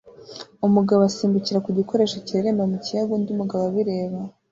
Umugabo asimbukira ku gikoresho kireremba mu kiyaga undi mugabo abireba